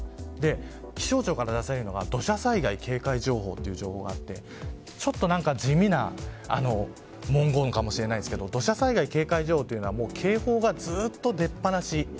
気象庁から出されるのが土砂災害警戒情報というのがあってちょっと地味な文言かもしれないんですけど土砂災害警戒情報って警報がずっと出っぱなし。